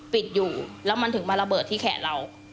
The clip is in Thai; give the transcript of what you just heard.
ปิดอยู่แล้วมันถึงมาระเบิดที่แขนเรา